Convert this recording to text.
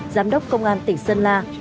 giám đốc công an tỉnh sơn la